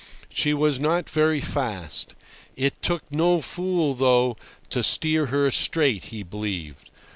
She was not very fast. It took no fool, though, to steer her straight, he believed.